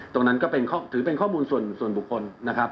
ตรงนั้นก็ถือเป็นข้อมูลส่วนบุคคลนะครับ